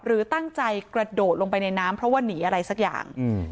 หรือตั้งใจกระโดดลงไปในน้ำเพราะว่าหนีอะไรสักอย่าง